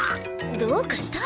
どうかした？